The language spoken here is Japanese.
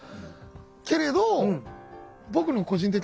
けれど僕の個人的な。